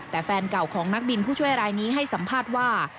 แต่แฟนเก่าของนักบินผู้ช่วยรายนี้ให้สัมภาษณ์ว่า